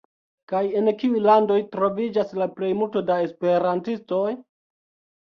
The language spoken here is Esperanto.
Kaj en kiuj landoj, troviĝas la plejmulto da esperantistoj?